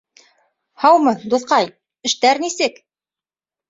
Һаумы, дуҫҡай! Эштәр нисек?